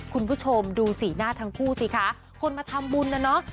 คุณผู้ชมดูสีหน้าทั้งคู่สิคะคนมาทำบุญน่ะเนอะ